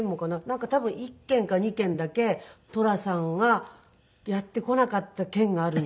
なんか多分１県か２県だけ寅さんがやって来なかった県があるんですけどそれが。